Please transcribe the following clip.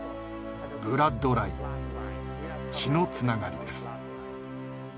「ブラッドライン」血のつながりです。